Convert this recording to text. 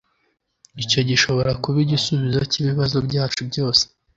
Icyo gishobora kuba igisubizo cyibibazo byacu byose